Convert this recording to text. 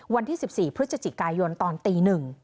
วันที่๑๔พฤศจิกายนตอนตี๑